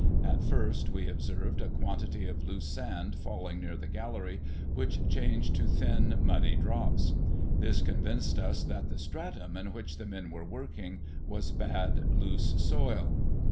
At first, we observed a quantity of loose sand falling near the gallery, which changed to thin, muddy drops. This convinced us that the stratum in which the men were working was bad, loose soil.